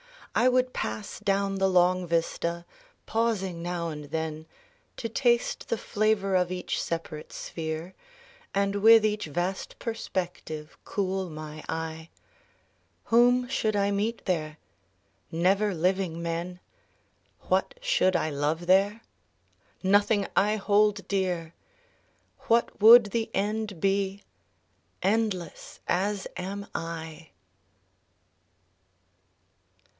I would pass Down the long vista, pausing now and then To taste the flavor of each separate sphere, And with each vast perspective cool my eye. Whom should I meet there? Never living men! What should I love there? Nothing I hold dear! What would the end be ? Endless as am I